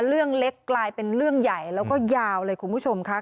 เรื่องเล็กกลายเป็นเรื่องใหญ่แล้วก็ยาวเลยคุณผู้ชมค่ะ